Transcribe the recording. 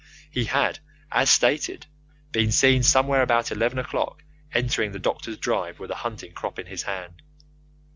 He had, as stated, been seen somewhere about eleven o'clock entering the doctor's drive with a hunting crop in his hand.